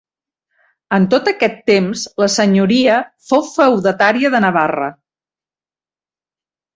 En tot aquest temps la senyoria fou feudatària de Navarra.